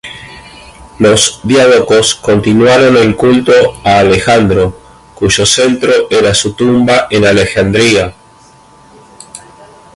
Los diádocos continuaron el culto a Alejandro, cuyo centro era su tumba en Alejandría.